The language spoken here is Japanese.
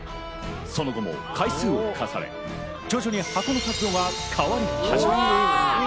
その後も回数を重ね、徐々に箱の角度は変わり始める。